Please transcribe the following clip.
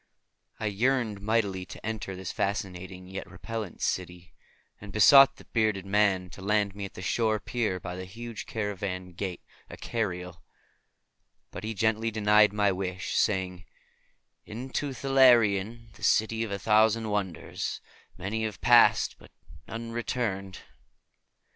I yearned mightily to enter this fascinating yet repellent city, and besought the bearded man to land me at the stone pier by the huge carven gate Akariel; but he gently denied my wish, saying, "Into Thalarion, the City of a Thousand Wonders, many have passed but none returned.